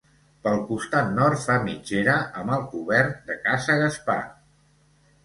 Pel costat nord fa mitgera amb el cobert de Casa Gaspar.